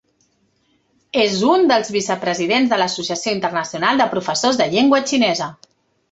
És un dels vicepresidents de l'Associació Internacional de Professors de Llengua Xinesa.